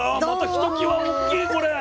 ひときわ大きいこれ！